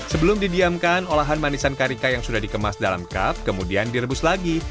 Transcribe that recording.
sebelum didiamkan olahan manisan karika yang sudah dikemas dalam kap kemudian direbus lagi